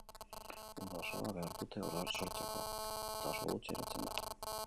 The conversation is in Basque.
Uda osoa behar dute sortzeko, eta oso gutxi eratzen dira.